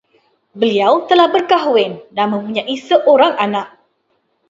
Beliau telah berkahwin dan mempunyai seorang anak